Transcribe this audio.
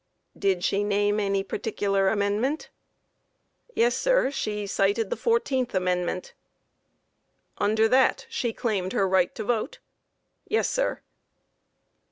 Q. Did she name any particular amendment? A. Yes, sir; she cited the 14th amendment. Q. Under that she claimed her right to vote? A. Yes, sir.